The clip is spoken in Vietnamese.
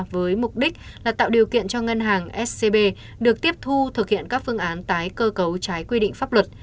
với mục đích là tạo điều kiện cho ngân hàng scb được tiếp thu thực hiện các phương án tái cơ cấu trái quy định pháp luật